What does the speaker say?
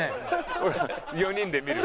俺ら４人で見る？